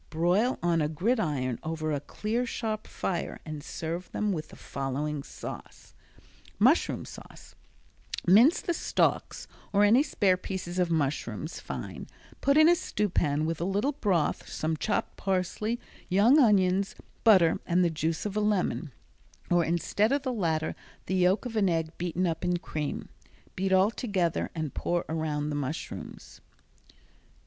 Broil on a gridiron over a clear sharp fire and serve them with the following sauce: Mushroom Sauce Mince the stalks or any spare pieces of mushrooms fine, put in a stewpan with a little broth, some chopped parsley, young onions, butter and the juice of a lemon, or instead of the latter the yolk of an egg beaten up in cream. Beat all together and pour around the mushrooms.